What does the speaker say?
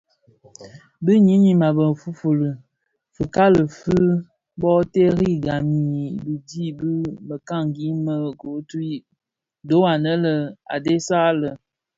Bi nyinim a be fuli fuli, fikali fi boterri gam fi dhi bi mekani me guthrie dho anë a dhesag lè.